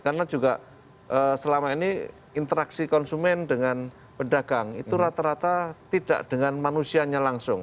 karena juga selama ini interaksi konsumen dengan pedagang itu rata rata tidak dengan manusianya langsung